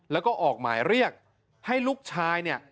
แล้วก็ออกหมายเรียกให้ลูกชายเนี่ย